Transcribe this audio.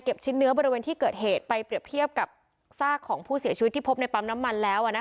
ชิ้นเนื้อบริเวณที่เกิดเหตุไปเปรียบเทียบกับซากของผู้เสียชีวิตที่พบในปั๊มน้ำมันแล้ว